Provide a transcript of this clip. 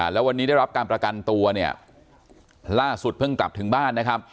แล้ววันนี้ได้รับการประกันตัวเนี่ยล่าสุดเพิ่งกลับถึงบ้านนะครับ